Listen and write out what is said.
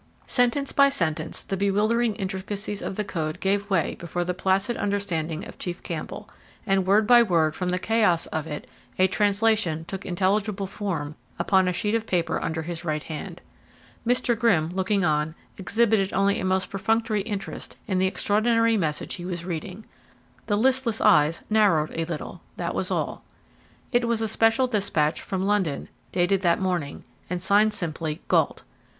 Sentence by sentence the bewildering intricacies of the code gave way before the placid understanding of Chief Campbell, and word by word, from the chaos of it, a translation took intelligible form upon a sheet of paper under his right hand. Mr. Grimm, looking on, exhibited only a most perfunctory interest in the extraordinary message he was reading; the listless eyes narrowed a little, that was all. It was a special despatch from Lisbon dated that morning, and signed simply "Gault."